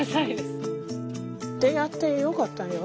出会ってよかったよ。